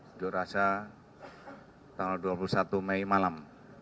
unjuk rasa tanggal dua puluh satu mei malam